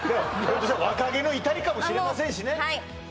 若気の至りかもしれませんしねあっ